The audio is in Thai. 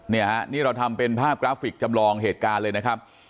นี่ฮะนี่เราทำเป็นภาพกราฟิกจำลองเหตุการณ์เลยนะครับ